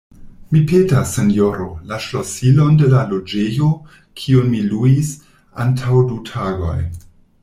Mi petas, sinjoro, la ŝlosilon de la loĝejo, kiun mi luis antaŭ du tagoj.